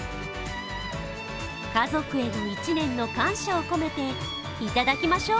家族への１年の感謝を込めて、いただきましょう。